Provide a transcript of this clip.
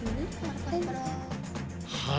はい。